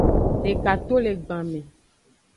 Deka to le gban me.